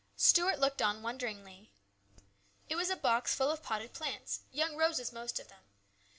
Stuart looked on wonderingly. It was a box full of potted plants, young roses, most of them.